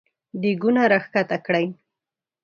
دېګونه راکښته کړی !